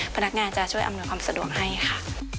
พนักงานจะช่วยอำนวยความสะดวกให้ค่ะ